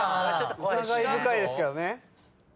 疑い深いですけどね。